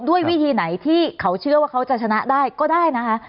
ด้วยวิธีไหนที่เขาเชื่อว่าเขาจะชนะได้ก็ได้นะคะ